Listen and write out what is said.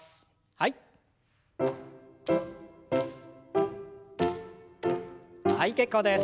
はい結構です。